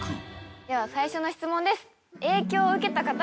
では最初の質問です。